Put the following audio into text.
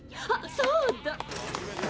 あっそうだ。